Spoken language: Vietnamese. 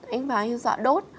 anh vào anh ấy dọa đốt